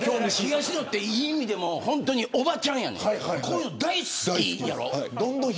東野って、いい意味でもおばちゃんやねん。